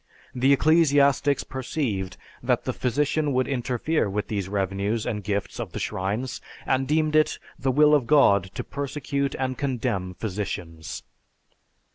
The ecclesiastics perceived that the physician would interfere with these revenues and gifts of the shrines, and deemed it the will of God to persecute and condemn physicians.